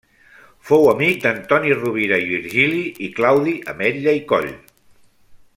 Fou amic d'Antoni Rovira i Virgili i Claudi Ametlla i Coll.